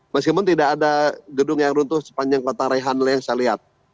meskipun tidak ada gedung yang runtuh sepanjang kota rehanle yang saya lihat